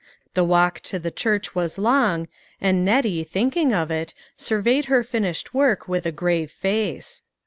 The walk to the church was long, and Nettie, thinking of it, surveyed her finished work with a grave face.